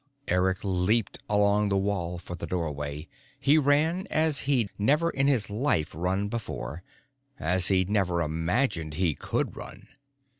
Eric leaped along the wall for the doorway. He ran as he'd never in his life run before, as he'd never imagined he could run.